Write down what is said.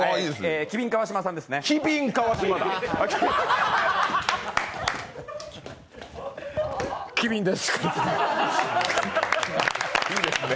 機敏川島さんですね。